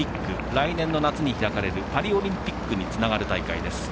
来年の夏に開かれるパリオリンピックにつながる大会です。